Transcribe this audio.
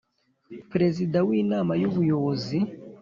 Perezida w Inama y ubuyobozi